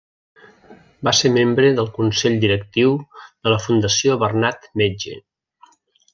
Va ser membre del consell directiu de la Fundació Bernat Metge.